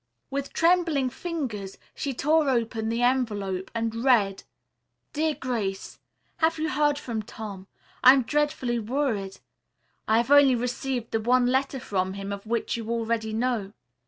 With trembling fingers she tore open the envelope and read: "DEAR GRACE: "Have you heard from Tom? I am dreadfully worried. I have only received the one letter from him of which you already know.